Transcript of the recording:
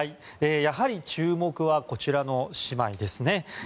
やはり、注目はこちらの姉妹ですね。